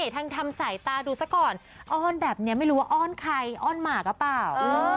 ทำสายตาดูซะก่อนอ้อนแบบนี้ไม่รู้ว่าอ้อนใครอ้อนหมาหรือเปล่า